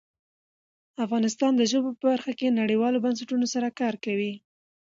افغانستان د ژبو په برخه کې نړیوالو بنسټونو سره کار کوي.